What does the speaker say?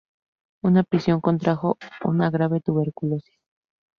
En prisión contrajo una grave tuberculosis.